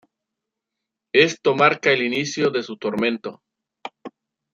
Esto marca el inicio de su tormento.